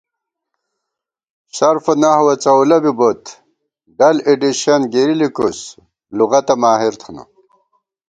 صرف ونحو څؤلہ بِبوت ، ڈل ایڈیشن گِرِی لِکوس، لُغَتہ ماہر تھنہ